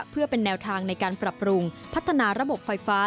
เพื่อเป็นแนวทางในการปรับปรุงพัฒนาระบบไฟฟ้า